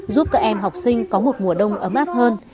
giúp các em học sinh có một mùa đông ấm áp hơn